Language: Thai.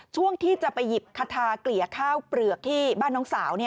ช่วงที่จะไปหยิบคาทาเกลี่ยข้าวเปลือกที่บ้านน้องสาว